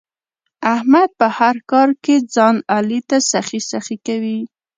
احمد په هر کار کې ځان علي ته سخی سخی کوي.